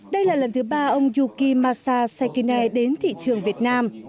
đây là lần thứ ba ông yuki masa sakina đến thị trường việt nam